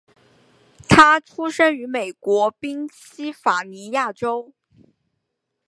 他出生于美国宾夕法尼亚州。